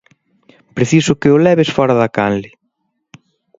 Preciso que o leves fóra da canle.